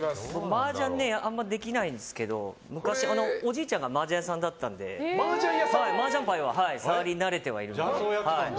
マージャンあんまりできないんですけど昔、おじいちゃんがマージャン屋さんだったのでマージャン牌は触り慣れてるんですよ。